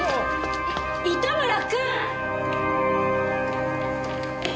い糸村君！